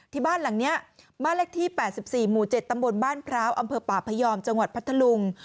ที่บ้านหลังนี้บ้านเลขที่๘๔หมู่๗ตำบลบ้านพร้าวอำเภอป่าพยอมจังหวัดพัทธลุง